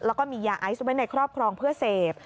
แล้วก็มียาไอซ์ไว้ในครอบครองเพื่อเสพ